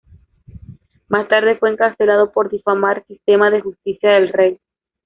Más tarde fue encarcelado por difamar sistema de justicia del Rey.